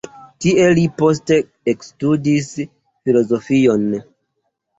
Tie li poste ekstudis filozofion.